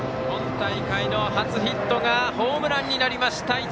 今大会の初ヒットがホームランになりました